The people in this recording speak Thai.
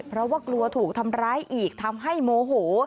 เพราะว่ากลัวถูกทำร้ายอีกทำให้โมโห